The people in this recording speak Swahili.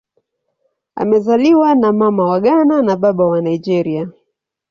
Amezaliwa na Mama wa Ghana na Baba wa Nigeria.